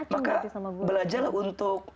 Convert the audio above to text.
maka belajarlah untuk